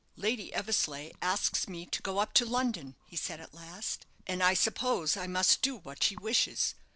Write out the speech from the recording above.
"Lady Eversleigh asks me to go up to London," he said, at last; "and I suppose I must do what she wishes.